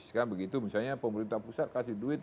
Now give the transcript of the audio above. sekarang begitu misalnya pemerintah pusat kasih duit